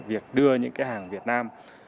việc đưa những cái hàng việt nam